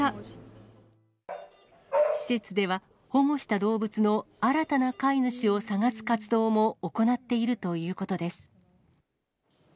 施設では、保護した動物の新たな飼い主を探す活動も行っているということです。